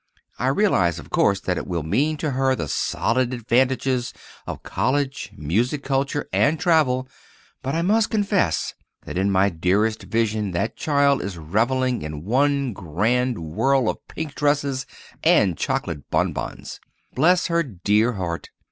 I realize, of course, that it will mean to her the solid advantages of college, music culture, and travel; but I must confess that in my dearest vision, the child is reveling in one grand whirl of pink dresses and chocolate bonbons. Bless her dear heart!